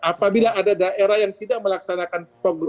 apabila ada daerah yang tidak melaksanakan pembangunan